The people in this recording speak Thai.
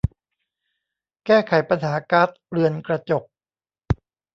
แก้ไขปัญหาก๊าซเรือนกระจก